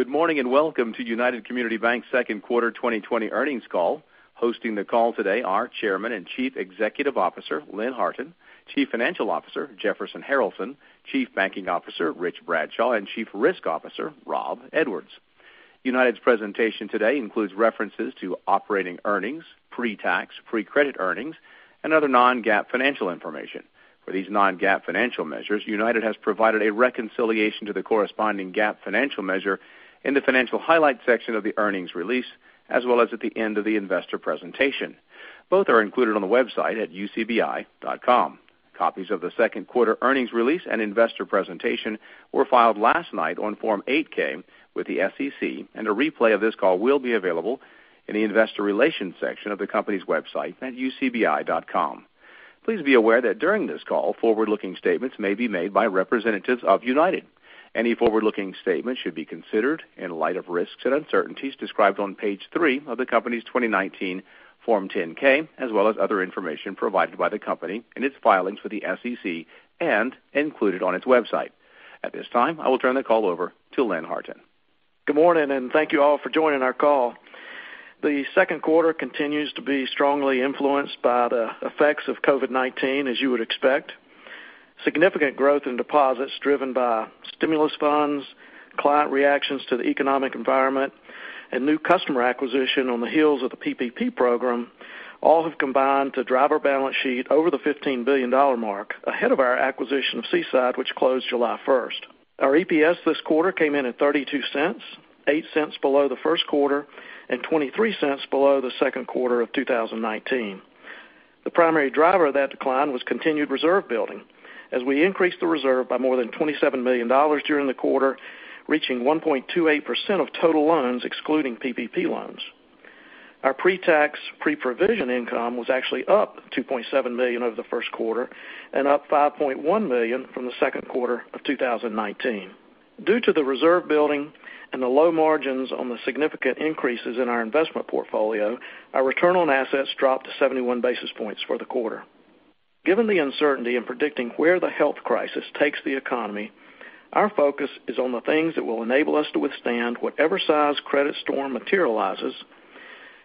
Good morning, welcome to United Community Banks' second quarter 2020 earnings call. Hosting the call today are Chairman and Chief Executive Officer, Lynn Harton, Chief Financial Officer, Jefferson Harralson, Chief Banking Officer, Rich Bradshaw, and Chief Risk Officer, Rob Edwards. United's presentation today includes references to operating earnings, pre-tax, pre-provision earnings, and other non-GAAP financial information. For these non-GAAP financial measures, United has provided a reconciliation to the corresponding GAAP financial measure in the financial highlights section of the earnings release, as well as at the end of the investor presentation. Both are included on the website at ucbi.com. Copies of the second quarter earnings release and investor presentation were filed last night on Form 8-K with the SEC, and a replay of this call will be available in the investor relations section of the company's website at ucbi.com. Please be aware that during this call, forward-looking statements may be made by representatives of United. Any forward-looking statements should be considered in light of risks and uncertainties described on page three of the company's 2019 Form 10-K, as well as other information provided by the company in its filings with the SEC and included on its website. At this time, I will turn the call over to Lynn Harton. Good morning, and thank you all for joining our call. The second quarter continues to be strongly influenced by the effects of COVID-19, as you would expect. Significant growth in deposits driven by stimulus funds, client reactions to the economic environment, and new customer acquisition on the heels of the PPP program, all have combined to drive our balance sheet over the $15 billion mark, ahead of our acquisition of Seaside, which closed July 1st. Our EPS this quarter came in at $0.32, $0.08 below the first quarter, and $0.23 below the second quarter of 2019. The primary driver of that decline was continued reserve building, as we increased the reserve by more than $27 million during the quarter, reaching 1.28% of total loans, excluding PPP loans. Our pre-tax, pre-provision income was actually up $2.7 million over the first quarter and up $5.1 million from the second quarter of 2019. Due to the reserve building and the low margins on the significant increases in our investment portfolio, our return on assets dropped to 71 basis points for the quarter. Given the uncertainty in predicting where the health crisis takes the economy, our focus is on the things that will enable us to withstand whatever size credit storm materializes,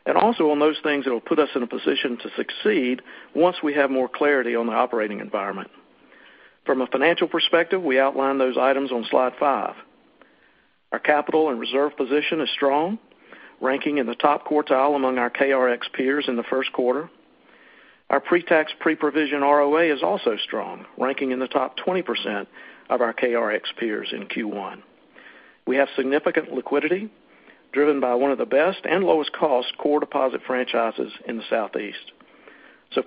and also on those things that will put us in a position to succeed once we have more clarity on the operating environment. From a financial perspective, we outline those items on slide five. Our capital and reserve position is strong, ranking in the top quartile among our KRX peers in the first quarter. Our pre-tax, pre-provision ROA is also strong, ranking in the top 20% of our KRX peers in Q1. We have significant liquidity driven by one of the best and lowest cost core deposit franchises in the Southeast.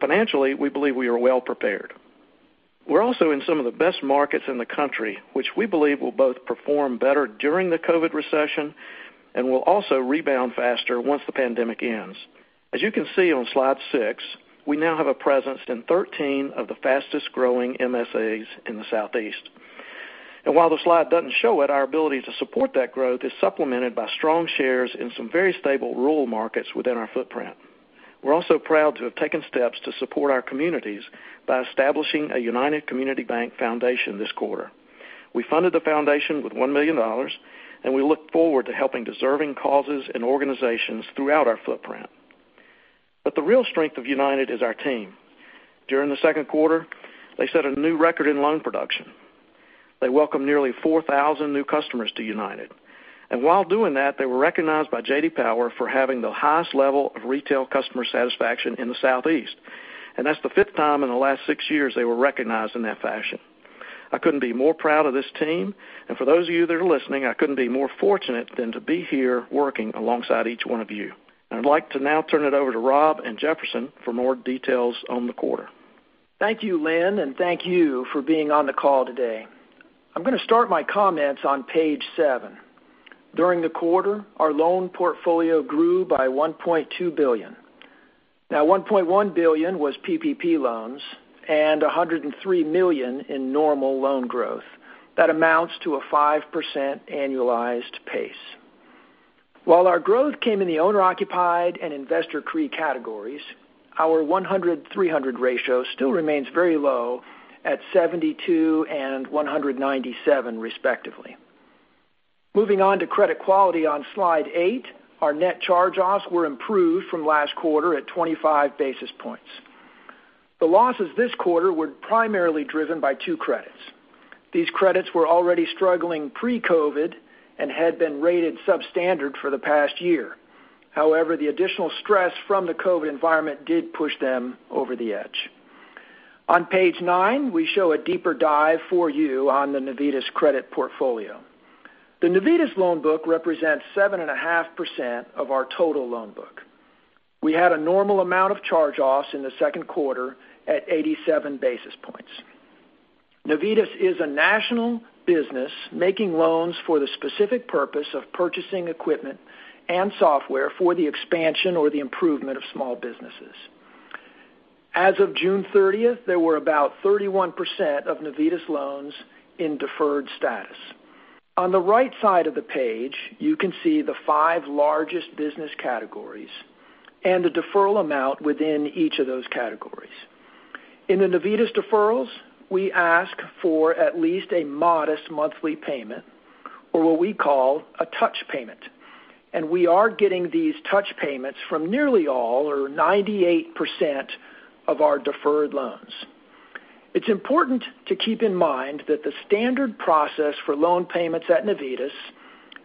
Financially, we believe we are well prepared. We're also in some of the best markets in the country, which we believe will both perform better during the COVID recession and will also rebound faster once the pandemic ends. As you can see on slide six, we now have a presence in 13 of the fastest-growing MSAs in the Southeast. While the slide doesn't show it, our ability to support that growth is supplemented by strong shares in some very stable rural markets within our footprint. We're also proud to have taken steps to support our communities by establishing a United Community Bank Foundation this quarter. We funded the foundation with $1 million. We look forward to helping deserving causes and organizations throughout our footprint. The real strength of United is our team. During the second quarter, they set a new record in loan production. They welcomed nearly 4,000 new customers to United, and while doing that, they were recognized by J.D. Power for having the highest level of retail customer satisfaction in the Southeast. That's the fifth time in the last six years they were recognized in that fashion. I couldn't be more proud of this team, and for those of you that are listening, I couldn't be more fortunate than to be here working alongside each one of you. I'd like to now turn it over to Rob and Jefferson for more details on the quarter. Thank you, Lynn, and thank you for being on the call today. I'm going to start my comments on page seven. During the quarter, our loan portfolio grew by $1.2 billion. $1.1 billion was PPP loans and $103 million in normal loan growth. That amounts to a 5% annualized pace. While our growth came in the owner-occupied and investor CRE categories, our 100/300 ratio still remains very low at 72 and 197 respectively. Moving on to credit quality on slide eight, our net charge-offs were improved from last quarter at 25 basis points. The losses this quarter were primarily driven by two credits. These credits were already struggling pre-COVID and had been rated substandard for the past year. The additional stress from the COVID environment did push them over the edge. On page nine, we show a deeper dive for you on the Navitas credit portfolio. The Navitas loan book represents 7.5% of our total loan book. We had a normal amount of charge-offs in the second quarter at 87 basis points. Navitas is a national business making loans for the specific purpose of purchasing equipment and software for the expansion or the improvement of small businesses. As of June 30th, there were about 31% of Navitas loans in deferred status. On the right side of the page, you can see the five largest business categories and the deferral amount within each of those categories. In the Navitas deferrals, we ask for at least a modest monthly payment or what we call a touch payment, and we are getting these touch payments from nearly all or 98% of our deferred loans. It's important to keep in mind that the standard process for loan payments at Navitas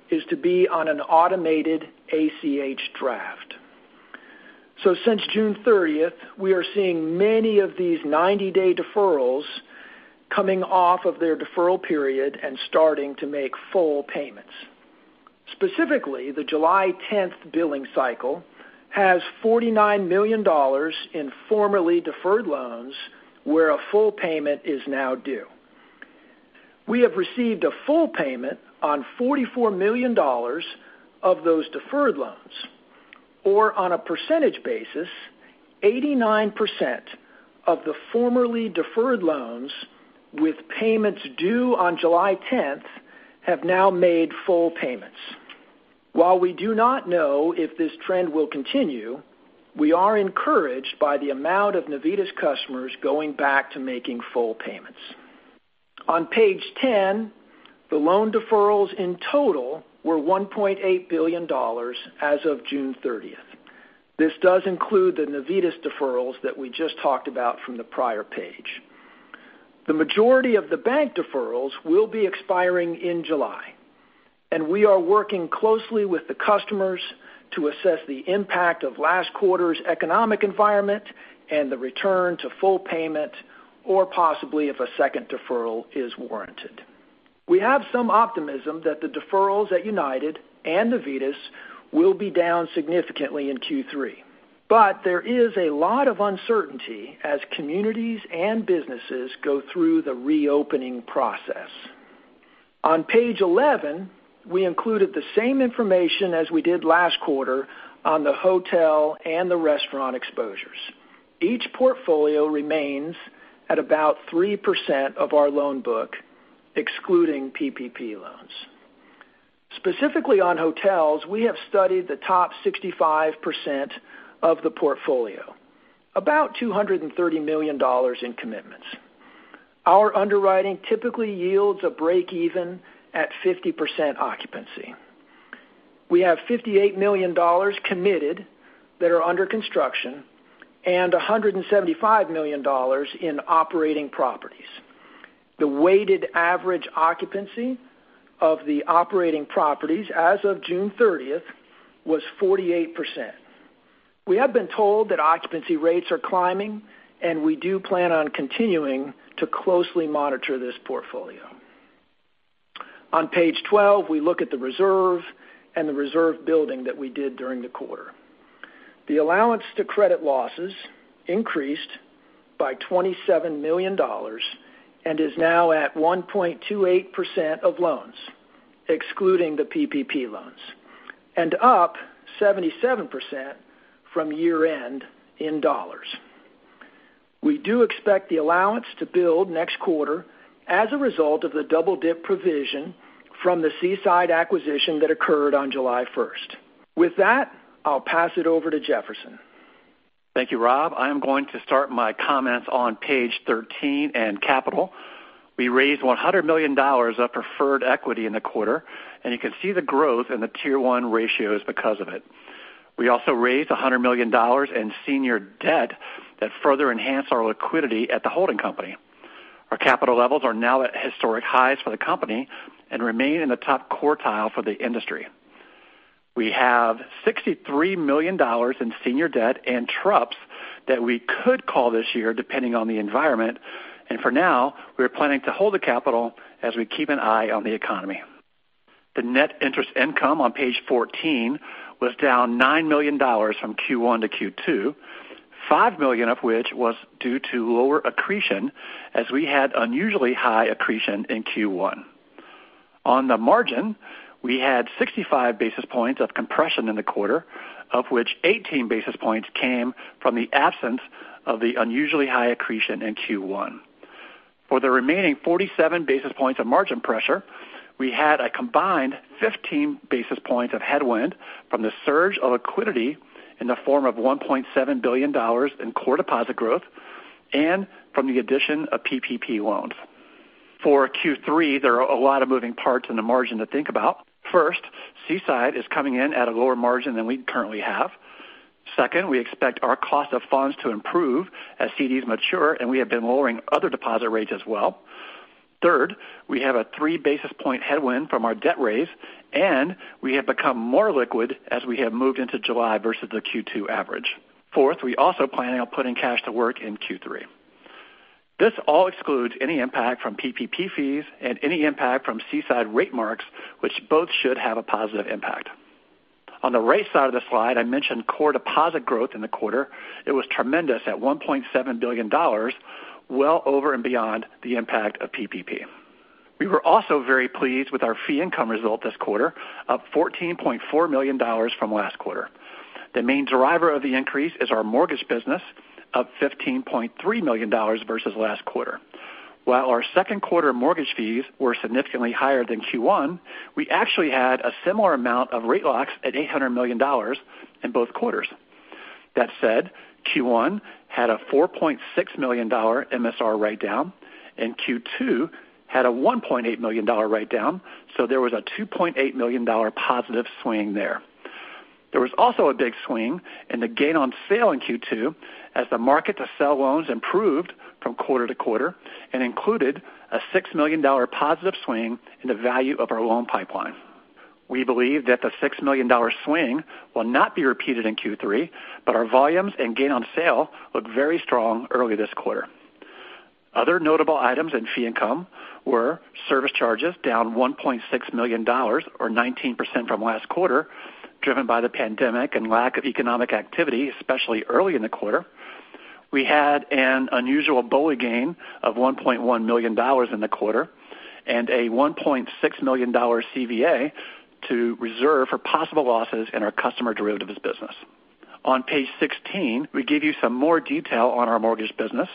is to be on an automated ACH draft. Since June 30th, we are seeing many of these 90-day deferrals coming off of their deferral period and starting to make full payments. Specifically, the July 10th billing cycle has $49 million in formerly deferred loans where a full payment is now due. We have received a full payment on $44 million of those deferred loans. On a percentage basis, 89% of the formerly deferred loans with payments due on July 10th have now made full payments. While we do not know if this trend will continue, we are encouraged by the amount of Navitas customers going back to making full payments. On page 10, the loan deferrals in total were $1.8 billion as of June 30th. This does include the Navitas deferrals that we just talked about from the prior page. The majority of the bank deferrals will be expiring in July, and we are working closely with the customers to assess the impact of last quarter's economic environment and the return to full payment, or possibly if a second deferral is warranted. We have some optimism that the deferrals at United and Navitas will be down significantly in Q3. There is a lot of uncertainty as communities and businesses go through the reopening process. On page 11, we included the same information as we did last quarter on the hotel and the restaurant exposures. Each portfolio remains at about 3% of our loan book, excluding PPP loans. Specifically on hotels, we have studied the top 65% of the portfolio, about $230 million in commitments. Our underwriting typically yields a break even at 50% occupancy. We have $58 million committed that are under construction and $175 million in operating properties. The weighted average occupancy of the operating properties as of June 30th was 48%. We have been told that occupancy rates are climbing, and we do plan on continuing to closely monitor this portfolio. On page 12, we look at the reserve and the reserve building that we did during the quarter. The allowance to credit losses increased by $27 million and is now at 1.28% of loans, excluding the PPP loans, and up 77% from year-end in dollars. We do expect the allowance to build next quarter as a result of the double-dip provision from the Seaside acquisition that occurred on July 1st. With that, I'll pass it over to Jefferson. Thank you, Rob. I am going to start my comments on page 13 in capital. We raised $100 million of preferred equity in the quarter, you can see the growth in the Tier 1 ratios because of it. We also raised $100 million in senior debt that further enhance our liquidity at the holding company. Our capital levels are now at historic highs for the company and remain in the top quartile for the industry. We have $63 million in senior debt and TruPS that we could call this year depending on the environment. For now, we are planning to hold the capital as we keep an eye on the economy. The net interest income on page 14 was down $9 million from Q1 to Q2, $5 million of which was due to lower accretion as we had unusually high accretion in Q1. On the margin, we had 65 basis points of compression in the quarter, of which 18 basis points came from the absence of the unusually high accretion in Q1. For the remaining 47 basis points of margin pressure, we had a combined 15 basis points of headwind from the surge of liquidity in the form of $1.7 billion in core deposit growth and from the addition of PPP loans. For Q3, there are a lot of moving parts in the margin to think about. First, Seaside is coming in at a lower margin than we currently have. Second, we expect our cost of funds to improve as CDs mature, and we have been lowering other deposit rates as well. Third, we have a three basis point headwind from our debt raise, and we have become more liquid as we have moved into July versus the Q2 average. Fourth, we also plan on putting cash to work in Q3. This all excludes any impact from PPP fees and any impact from Seaside rate marks, which both should have a positive impact. On the right side of the slide, I mentioned core deposit growth in the quarter. It was tremendous at $1.7 billion, well over and beyond the impact of PPP. We were also very pleased with our fee income result this quarter, up $14.4 million from last quarter. The main driver of the increase is our mortgage business, up $15.3 million versus last quarter. While our second quarter mortgage fees were significantly higher than Q1, we actually had a similar amount of rate locks at $800 million in both quarters. That said, Q1 had a $4.6 million MSR write-down, and Q2 had a $1.8 million write-down, so there was a $2.8 million positive swing there. There was also a big swing in the gain on sale in Q2 as the market to sell loans improved from quarter to quarter and included a $6 million positive swing in the value of our loan pipeline. We believe that the $6 million swing will not be repeated in Q3, our volumes and gain on sale look very strong early this quarter. Other notable items in fee income were service charges down $1.6 million, or 19% from last quarter, driven by the pandemic and lack of economic activity, especially early in the quarter. We had an unusual BOLI gain of $1.1 million in the quarter, and a $1.6 million CVA to reserve for possible losses in our customer derivatives business. On page 16, we give you some more detail on our mortgage business.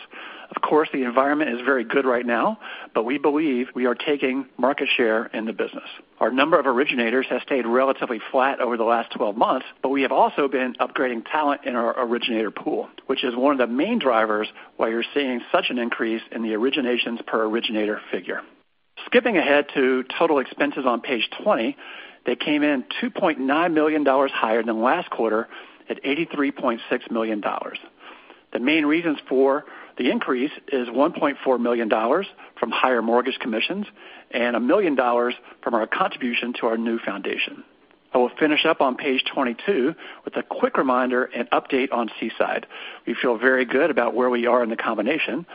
Of course, the environment is very good right now, but we believe we are taking market share in the business. Our number of originators has stayed relatively flat over the last 12 months, but we have also been upgrading talent in our originator pool, which is one of the main drivers why you're seeing such an increase in the originations per originator figure. Skipping ahead to total expenses on page 20, they came in $2.9 million higher than last quarter at $83.6 million. The main reasons for the increase is $1.4 million from higher mortgage commissions and $1 million from our contribution to our new foundation. I will finish up on page 22 with a quick reminder and update on Seaside. We feel very good about where we are in the combination.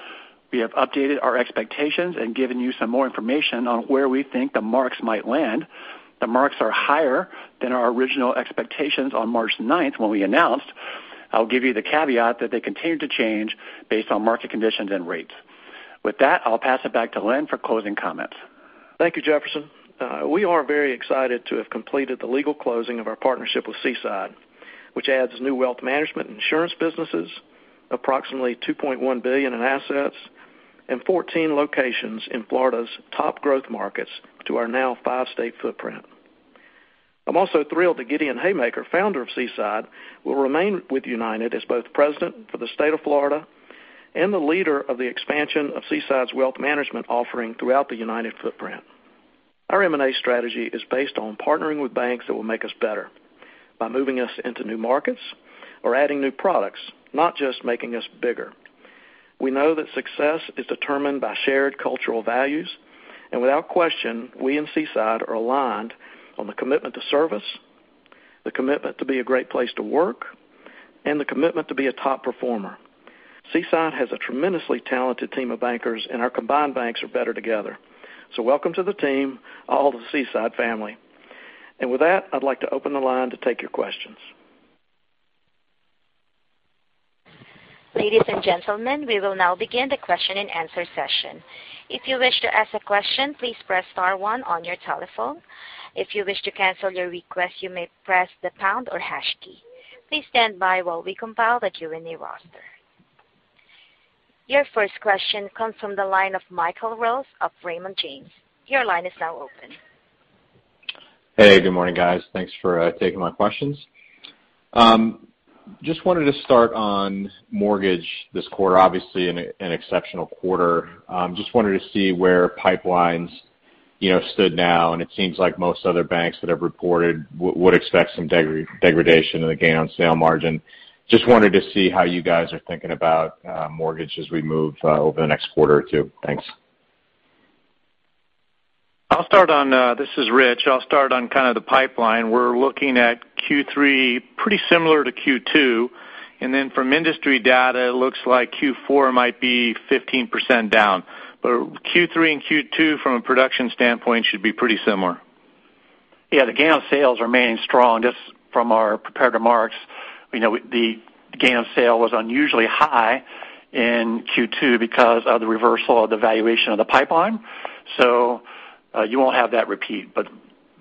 We have updated our expectations and given you some more information on where we think the marks might land. The marks are higher than our original expectations on March 9th when we announced. I'll give you the caveat that they continue to change based on market conditions and rates. With that, I'll pass it back to Lynn for closing comments. Thank you, Jefferson. We are very excited to have completed the legal closing of our partnership with Seaside, which adds new wealth management insurance businesses, approximately $2.1 billion in assets, and 14 locations in Florida's top growth markets to our now five-state footprint. I'm also thrilled that Gideon Haymaker, founder of Seaside, will remain with United as both president for the state of Florida and the leader of the expansion of Seaside's wealth management offering throughout the United footprint. Our M&A strategy is based on partnering with banks that will make us better by moving us into new markets or adding new products, not just making us bigger. We know that success is determined by shared cultural values. Without question, we and Seaside are aligned on the commitment to service, the commitment to be a great place to work, and the commitment to be a top performer. Seaside has a tremendously talented team of bankers, our combined banks are better together. Welcome to the team, all of the Seaside family. With that, I'd like to open the line to take your questions. Ladies and gentlemen, we will now begin the question and answer session. If you wish to ask a question, please press star one on your telephone. If you wish to cancel your request, you may press the pound or hash key. Please stand by while we compile the Q&A roster. Your first question comes from the line of Michael Rose of Raymond James. Your line is now open. Hey, good morning, guys. Thanks for taking my questions. Just wanted to start on mortgage this quarter, obviously an exceptional quarter. Just wanted to see where pipelines stood now, it seems like most other banks that have reported would expect some degradation in the gain on sale margin. Just wanted to see how you guys are thinking about mortgage as we move over the next quarter or two. Thanks. This is Rich. I'll start on kind of the pipeline. We're looking at Q3 pretty similar to Q2, and then from industry data, it looks like Q4 might be 15% down. Q3 and Q2 from a production standpoint should be pretty similar. Yeah, the gain on sales remains strong. Just from our prepared remarks, the gain on sale was unusually high in Q2 because of the reversal of the valuation of the pipeline. You won't have that repeat.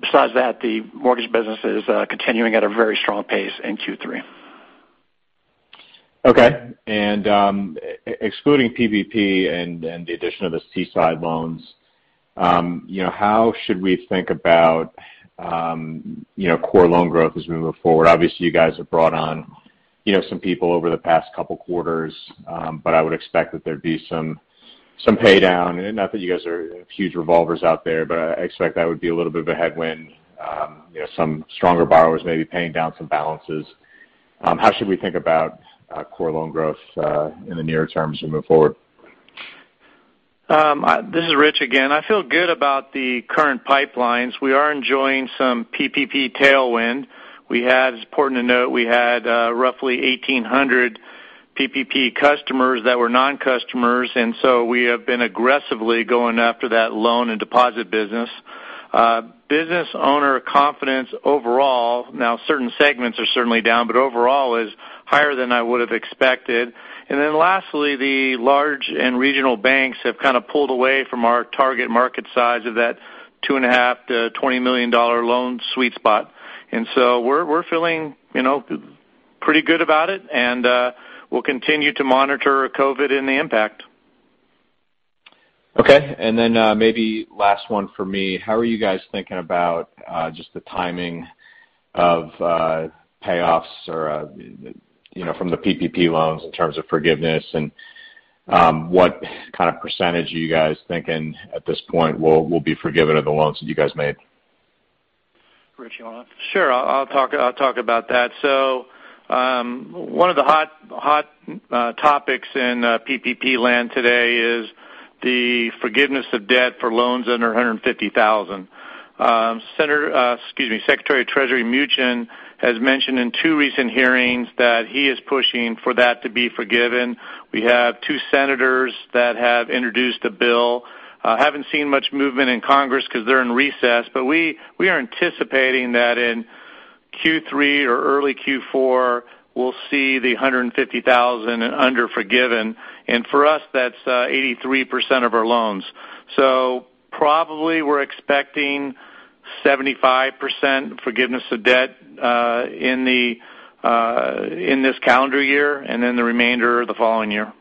Besides that, the mortgage business is continuing at a very strong pace in Q3. Okay. Excluding PPP and the addition of the Seaside loans, how should we think about core loan growth as we move forward? Obviously, you guys have brought on some people over the past couple quarters, but I would expect that there'd be some pay down. Not that you guys are huge revolvers out there, but I expect that would be a little bit of a headwind. Some stronger borrowers may be paying down some balances. How should we think about core loan growth in the near term as we move forward? This is Rich again. I feel good about the current pipelines. We are enjoying some PPP tailwind. It's important to note we had roughly 1,800 PPP customers that were non-customers, and so we have been aggressively going after that loan and deposit business. Business owner confidence overall, now certain segments are certainly down, but overall is higher than I would have expected. Lastly, the large and regional banks have kind of pulled away from our target market size of that $2.5 million-$20 million loan sweet spot. We're feeling Pretty good about it, and we'll continue to monitor COVID and the impact. Okay. Maybe last one for me. How are you guys thinking about just the timing of payoffs from the PPP loans in terms of forgiveness, and what kind of percentage are you guys thinking at this point will be forgiven of the loans that you guys made? Rich, you want to? Sure. I'll talk about that. One of the hot topics in PPP land today is the forgiveness of debt for loans under $150,000. Secretary of Treasury Mnuchin has mentioned in two recent hearings that he is pushing for that to be forgiven. We have two senators that have introduced a bill. Haven't seen much movement in Congress because they're in recess, but we are anticipating that in Q3 or early Q4, we'll see the $150,000 and under forgiven. For us, that's 83% of our loans. Probably we're expecting 75% forgiveness of debt in this calendar year, and then the remainder the following year.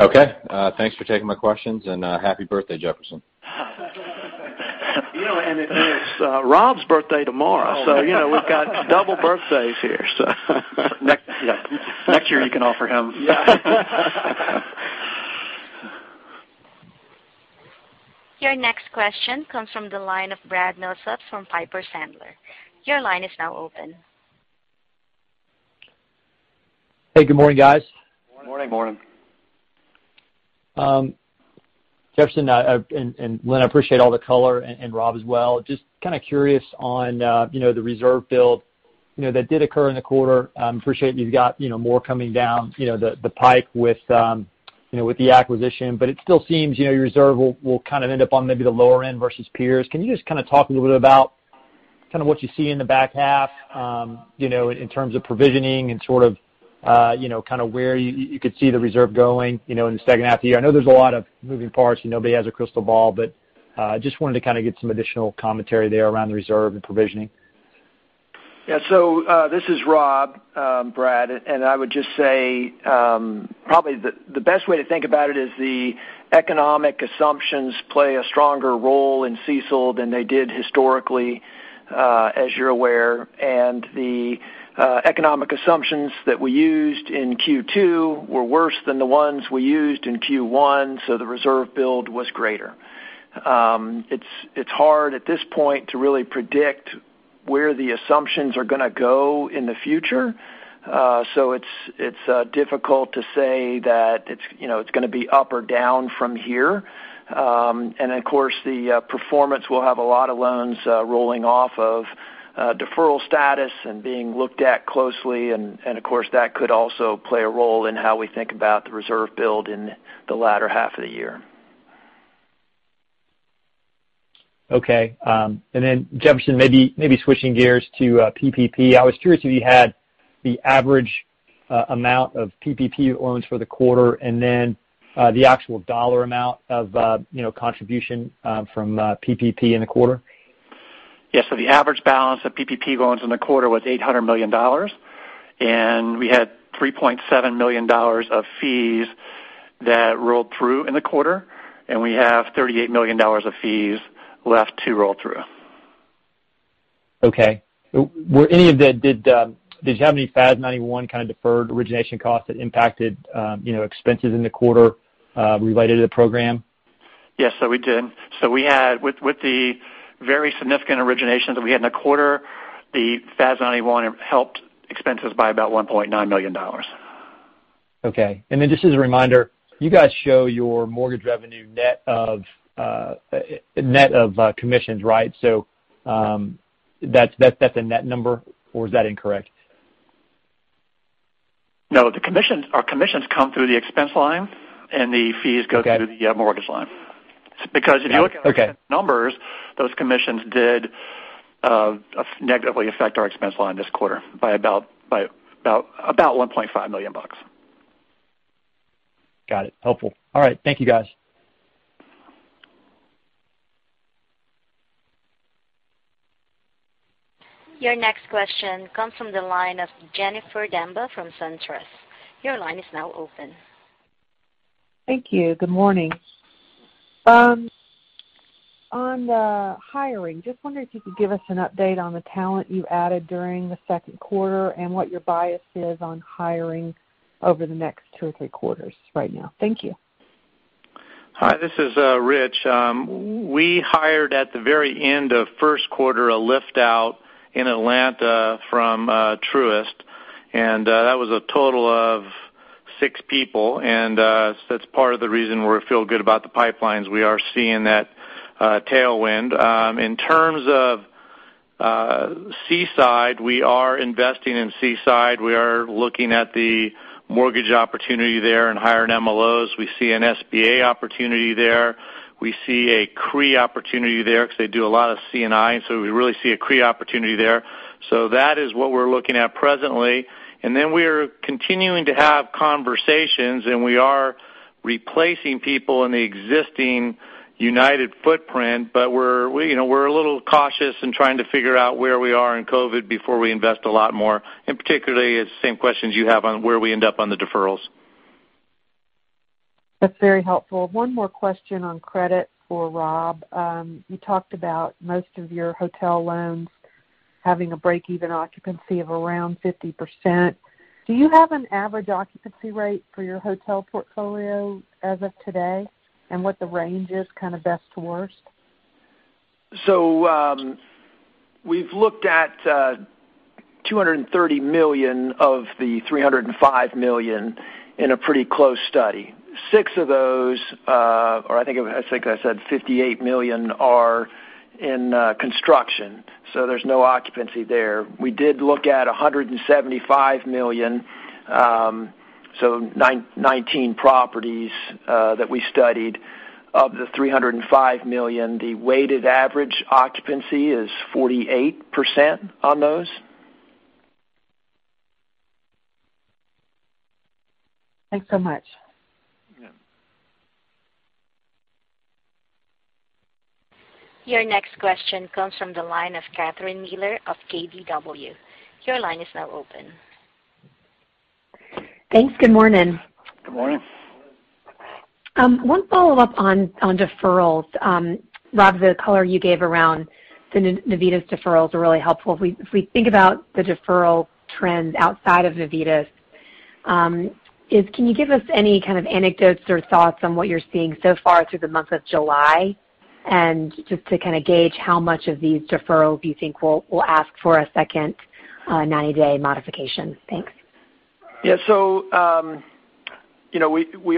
Okay. Thanks for taking my questions, and happy birthday, Jefferson. It's Rob's birthday tomorrow. Oh. We've got double birthdays here. Next year you can offer him. Yeah. Your next question comes from the line of Brad Nosanchuk from Piper Sandler. Your line is now open. Hey, good morning, guys. Morning. Morning. Jefferson and Lynn, I appreciate all the color, and Rob as well. Kind of curious on the reserve build that did occur in the quarter. I appreciate you've got more coming down the pipe with the acquisition, but it still seems your reserve will kind of end up on maybe the lower end versus peers. Can you just kind of talk a little bit about kind of what you see in the back half, in terms of provisioning and sort of where you could see the reserve going in the second half of the year? I know there's a lot of moving parts. Nobody has a crystal ball. Wanted to kind of get some additional commentary there around the reserve and provisioning. Yeah. This is Rob Edwards, Brad Nosanchuk, I would just say probably the best way to think about it is the economic assumptions play a stronger role in CECL than they did historically, as you're aware. The economic assumptions that we used in Q2 were worse than the ones we used in Q1, so the reserve build was greater. It's hard at this point to really predict where the assumptions are going to go in the future. It's difficult to say that it's going to be up or down from here. Of course, the performance will have a lot of loans rolling off of deferral status and being looked at closely, and of course, that could also play a role in how we think about the reserve build in the latter half of the year. Okay. Then Jefferson, maybe switching gears to PPP. I was curious if you had the average amount of PPP loans for the quarter, and then the actual dollar amount of contribution from PPP in the quarter. Yes. The average balance of PPP loans in the quarter was $800 million. We had $3.7 million of fees that rolled through in the quarter, and we have $38 million of fees left to roll through. Okay. Did you have any FAS 91 kind of deferred origination costs that impacted expenses in the quarter related to the program? Yes, we did. With the very significant originations that we had in the quarter, the FAS 91 helped expenses by about $1.9 million. Okay. Just as a reminder, you guys show your mortgage revenue net of commissions, right? That's a net number, or is that incorrect? No. Our commissions come through the expense line, and the fees go through the mortgage line. Okay. If you look at our numbers, those commissions did negatively affect our expense line this quarter by about $1.5 million. Got it. Helpful. All right. Thank you, guys. Your next question comes from the line of Jennifer Demba from SunTrust. Your line is now open. Thank you. Good morning. On the hiring, just wondering if you could give us an update on the talent you added during the second quarter and what your bias is on hiring over the next two or three quarters right now. Thank you. Hi, this is Rich. We hired at the very end of first quarter a lift-out in Atlanta from Truist. That was a total of six people. That's part of the reason we feel good about the pipelines. We are seeing that tailwind. In terms of Seaside, we are investing in Seaside. We are looking at the mortgage opportunity there and hiring MLOs. We see an SBA opportunity there. We see a CRE opportunity there because they do a lot of C&I. We really see a CRE opportunity there. That is what we're looking at presently. We're continuing to have conversations, and we are replacing people in the existing United footprint, we're a little cautious in trying to figure out where we are in COVID before we invest a lot more, and particularly it's the same questions you have on where we end up on the deferrals. That's very helpful. One more question on credit for Rob. You talked about most of your hotel loans having a break-even occupancy of around 50%. Do you have an average occupancy rate for your hotel portfolio as of today, and what the range is kind of best to worst? We've looked at $230 million of the $305 million in a pretty close study. Six of those or I think I said $58 million are in construction, so there's no occupancy there. We did look at $175 million, so 19 properties that we studied. Of the $305 million, the weighted average occupancy is 48% on those. Thanks so much. Yeah. Your next question comes from the line of Catherine Mealor of KBW. Your line is now open. Thanks. Good morning. Good morning. One follow-up on deferrals. Rob, the color you gave around Navitas deferrals are really helpful. If we think about the deferral trends outside of Navitas, can you give us any kind of anecdotes or thoughts on what you're seeing so far through the month of July? Just to kind of gauge how much of these deferrals you think will ask for a second 90-day modification. Thanks. We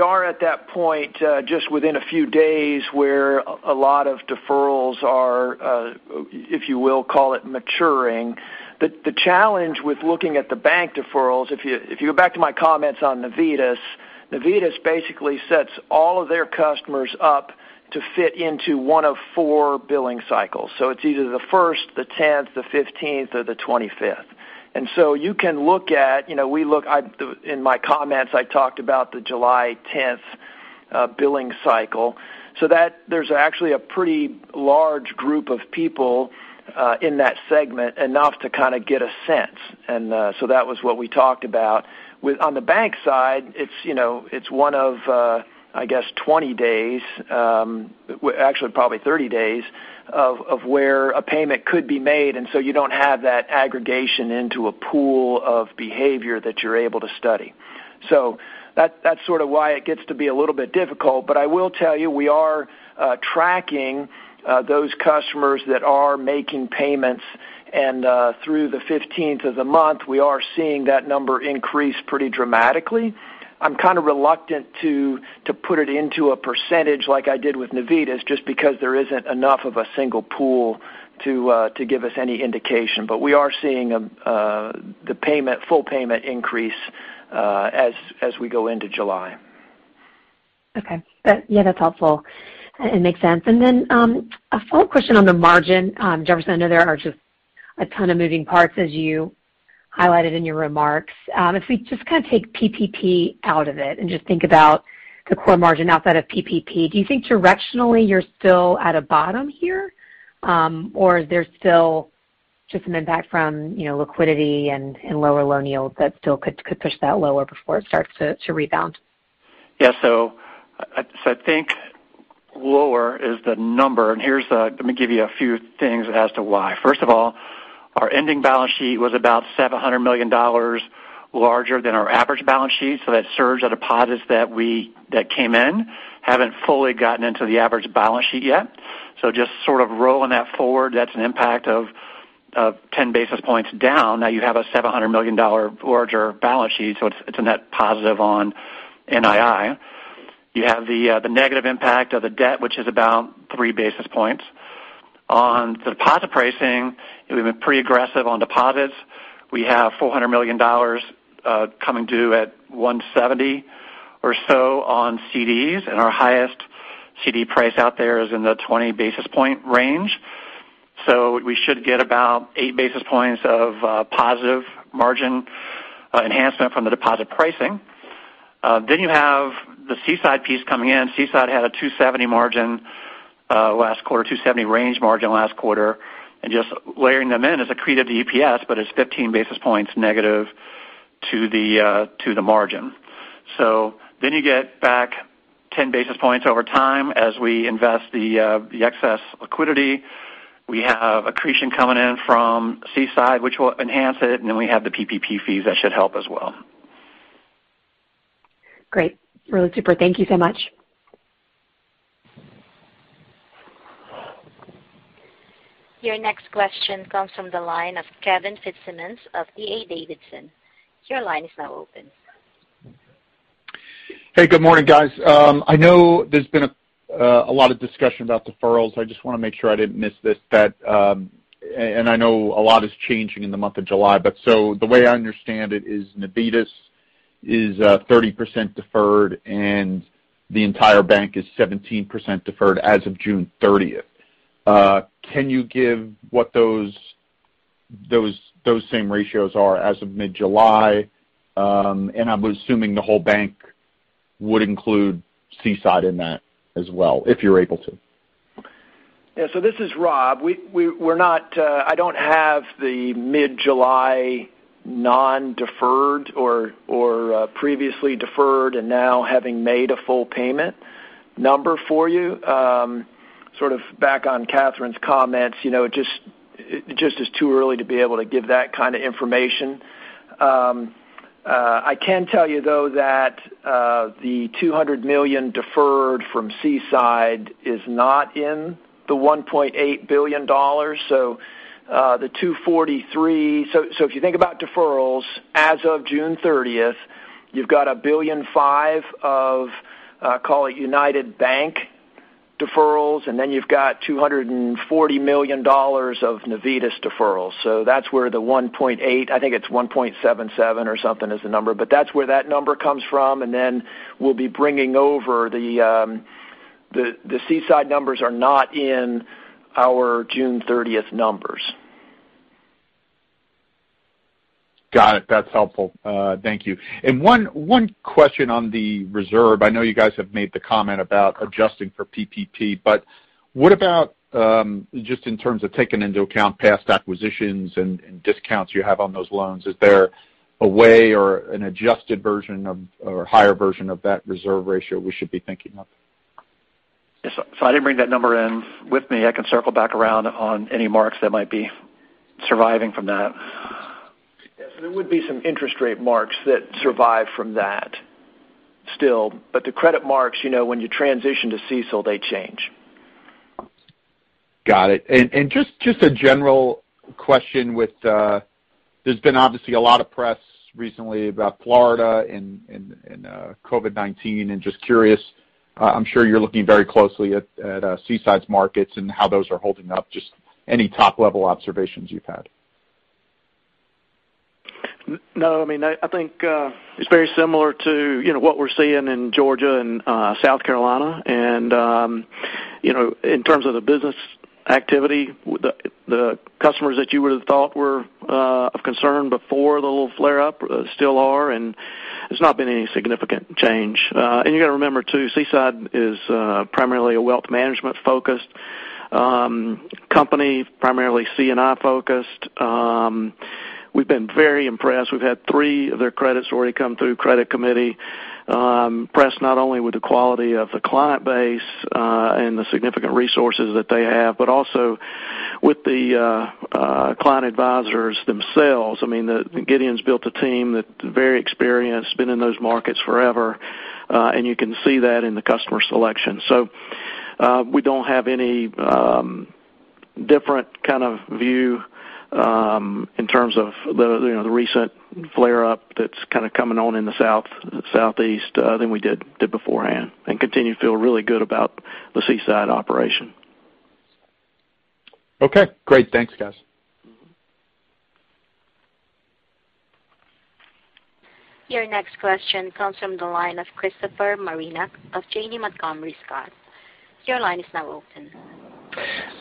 are at that point just within a few days where a lot of deferrals are, if you will call it maturing. The challenge with looking at the bank deferrals, if you go back to my comments on Navitas basically sets all of their customers up to fit into one of four billing cycles. It's either the 1st, the 10th, the 15th, or the 25th. In my comments, I talked about the July 10th billing cycle. There's actually a pretty large group of people in that segment, enough to kind of get a sense. That was what we talked about. On the bank side, it's one of, I guess, 20 days, actually probably 30 days, of where a payment could be made, and so you don't have that aggregation into a pool of behavior that you're able to study. That's sort of why it gets to be a little bit difficult, but I will tell you, we are tracking those customers that are making payments. Through the 15th of the month, we are seeing that number increase pretty dramatically. I'm kind of reluctant to put it into a percentage like I did with Navitas just because there isn't enough of a single pool to give us any indication. We are seeing the full payment increase as we go into July. Okay. Yeah, that's helpful and makes sense. Then a follow-up question on the margin. Jefferson, I know there are just a ton of moving parts as you highlighted in your remarks. If we just kind of take PPP out of it and just think about the core margin outside of PPP, do you think directionally you're still at a bottom here? Is there still just an impact from liquidity and lower loan yields that still could push that lower before it starts to rebound? Yeah. I think lower is the number. Let me give you a few things as to why. First of all, our ending balance sheet was about $700 million larger than our average balance sheet. That surge of deposits that came in haven't fully gotten into the average balance sheet yet. Just sort of rolling that forward, that's an impact of 10 basis points down. Now you have a $700 million larger balance sheet, so it's a net positive on NII. You have the negative impact of the debt, which is about three basis points. On deposit pricing, we've been pretty aggressive on deposits. We have $400 million coming due at 170 or so on CDs, and our highest CD price out there is in the 20 basis point range. We should get about eight basis points of positive margin enhancement from the deposit pricing. You have the Seaside piece coming in. Seaside had a 270 margin last quarter, 270 range margin last quarter. Just layering them in is accreted to EPS, but it's 15 basis points negative to the margin. You get back 10 basis points over time as we invest the excess liquidity. We have accretion coming in from Seaside, which will enhance it, and then we have the PPP fees that should help as well. Great. Really super. Thank you so much. Your next question comes from the line of Kevin Fitzsimmons of D.A. Davidson. Your line is now open. Hey, good morning, guys. I know there's been a lot of discussion about deferrals. I just want to make sure I didn't miss this. I know a lot is changing in the month of July, the way I understand it is Navitas is 30% deferred and the entire bank is 17% deferred as of June 30th. Can you give what those same ratios are as of mid-July. I'm assuming the whole bank would include Seaside in that as well, if you're able to. This is Rob. I don't have the mid-July non-deferred or previously deferred and now having made a full payment number for you. Sort of back on Catherine's comments, it just is too early to be able to give that kind of information. I can tell you though that the $200 million deferred from Seaside is not in the $1.8 billion. If you think about deferrals as of June 30th, you've got $1.5 billion of, call it United Bank deferrals, you've got $240 million of Navitas deferrals. That's where the $1.8, I think it's $1.77 or something is the number, that's where that number comes from. The Seaside numbers are not in our June 30th numbers. Got it. That's helpful. Thank you. 1 question on the reserve. I know you guys have made the comment about adjusting for PPP, but what about just in terms of taking into account past acquisitions and discounts you have on those loans, is there a way or an adjusted version or higher version of that reserve ratio we should be thinking of? Yes. I didn't bring that number in with me. I can circle back around on any marks that might be surviving from that. Yes. There would be some interest rate marks that survive from that still, but the credit marks, when you transition to CECL, they change. Got it. Just a general question, there's been obviously a lot of press recently about Florida and COVID-19, and just curious, I'm sure you're looking very closely at Seaside's markets and how those are holding up. Just any top-level observations you've had. No, I think it's very similar to what we're seeing in Georgia and South Carolina. In terms of the business activity, the customers that you would've thought were of concern before the little flare-up still are, and there's not been any significant change. You got to remember too, Seaside is primarily a wealth management-focused company, primarily C&I focused. We've been very impressed. We've had three of their credits already come through credit committee. Impressed not only with the quality of the client base and the significant resources that they have, but also with the client advisors themselves. Gideon's built a team that's very experienced, been in those markets forever, and you can see that in the customer selection. We don't have any different kind of view in terms of the recent flare-up that's kind of coming on in the southeast than we did beforehand, and continue to feel really good about the Seaside operation. Okay, great. Thanks, guys. Your next question comes from the line of Christopher Marinac of Janney Montgomery Scott. Your line is now open.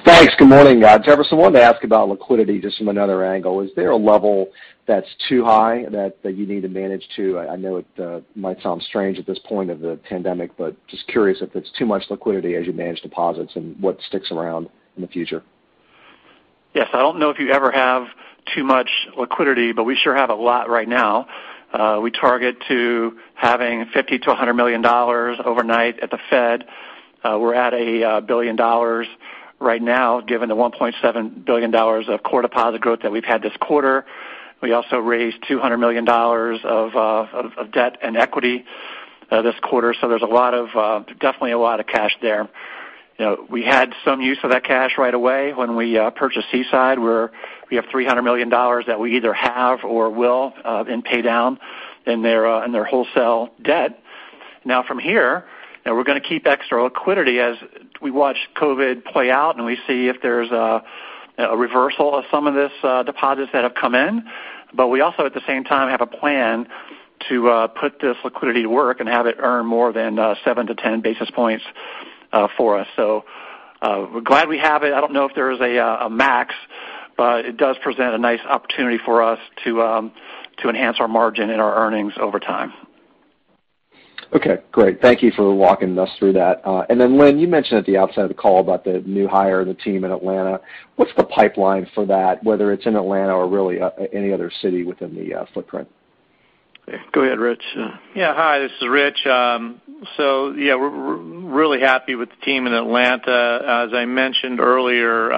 Thanks. Good morning. Jefferson, wanted to ask about liquidity just from another angle. Is there a level that's too high that you need to manage to? I know it might sound strange at this point of the pandemic, but just curious if it's too much liquidity as you manage deposits and what sticks around in the future. Yes. I don't know if you ever have too much liquidity. We sure have a lot right now. We target to having $50 million-$100 million overnight at the Fed. We're at $1 billion right now, given the $1.7 billion of core deposit growth that we've had this quarter. We also raised $200 million of debt and equity this quarter. There's definitely a lot of cash there. We had some use of that cash right away when we purchased Seaside, where we have $300 million that we either have or will in pay down in their wholesale debt. From here, we're going to keep extra liquidity as we watch COVID-19 play out and we see if there's a reversal of some of this deposits that have come in. We also at the same time have a plan to put this liquidity to work and have it earn more than 7-10 basis points for us. We're glad we have it. I don't know if there is a max, but it does present a nice opportunity for us to enhance our margin and our earnings over time. Okay, great. Thank you for walking us through that. Lynn, you mentioned at the outset of the call about the new hire of the team in Atlanta. What's the pipeline for that, whether it's in Atlanta or really any other city within the footprint? Go ahead, Rich. Yeah. Hi, this is Rich. Yeah, we're really happy with the team in Atlanta. As I mentioned earlier,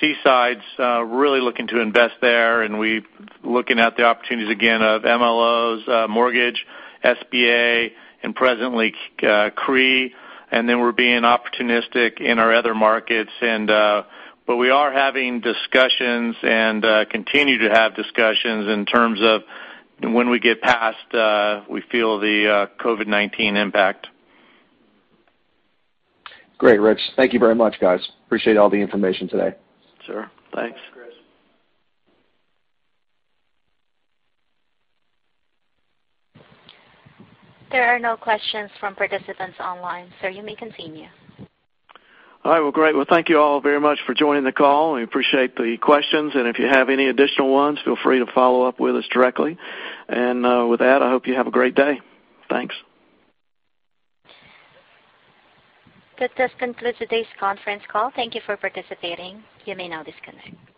Seaside's really looking to invest there and we're looking at the opportunities again of MLOs, mortgage, SBA, and presently CRE. We're being opportunistic in our other markets. We are having discussions and continue to have discussions in terms of when we get past, we feel, the COVID-19 impact. Great, Rich. Thank you very much, guys. Appreciate all the information today. Sure. Thanks. Thanks. Chris. There are no questions from participants online, so you may continue. All right. Well, great. Well, thank you all very much for joining the call. We appreciate the questions, and if you have any additional ones, feel free to follow up with us directly. With that, I hope you have a great day. Thanks. That does conclude today's conference call. Thank you for participating. You may now disconnect.